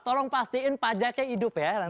tolong pastikan pajaknya hidup ya nanti